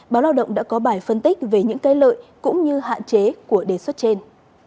báo lao động đã có bài phân tích về những cái lợi cũng như hạn chế của đề xuất trên